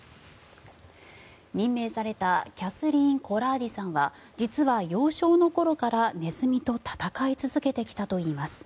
任命されたキャスリーン・コラーディさんは実は幼少の頃からネズミと戦い続けてきたといいます。